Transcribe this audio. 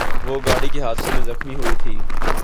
وہ گاڑی کے حادثے میں زخمی ہوئی تھی